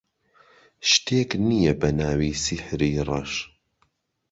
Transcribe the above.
شتێک نییە بە ناوی سیحری ڕەش.